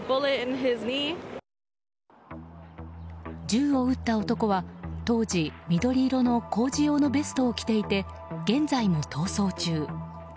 銃を撃った男は当時、緑色の工事用のベストを着ていて現在も逃走中。